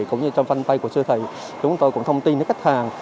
cũng như trong fanpage của siêu thị chúng tôi cũng thông tin đến khách hàng